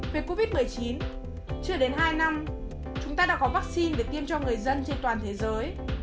về covid một mươi chín chưa đến hai năm chúng ta đã có vaccine để tiêm cho người dân trên toàn thế giới